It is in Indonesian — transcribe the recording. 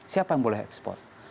siapa yang boleh ekspor